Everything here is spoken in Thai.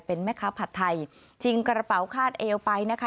เป็นแม่ค้าผัดไทยชิงกระเป๋าคาดเอวไปนะคะ